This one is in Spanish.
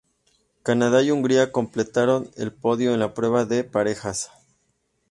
Canadá y Hungría completaron el podio en la prueba de parejas.